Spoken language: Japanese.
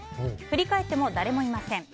振り返っても誰もいません。